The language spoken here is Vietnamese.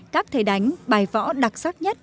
các thể đánh bài võ đặc sắc nhất